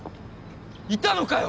いたのかよ！